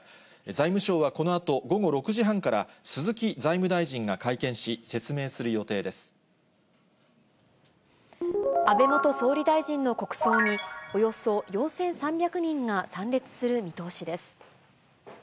財務省はこのあと午後６時半から、鈴木財務大臣が会見し、説明する安倍元総理大臣の国葬に、およそ４３００人が参列する見通しです。